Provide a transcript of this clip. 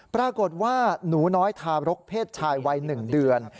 ปรากฏว่าหนูน้อยทารกเพศชายวัย๑เดือน